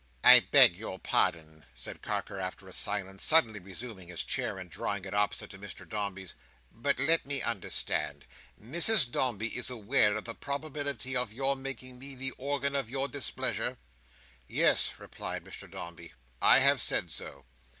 "I beg your pardon," said Carker, after a silence, suddenly resuming his chair, and drawing it opposite to Mr Dombey's, "but let me understand. Mrs Dombey is aware of the probability of your making me the organ of your displeasure?" "Yes," replied Mr Dombey. "I have said so."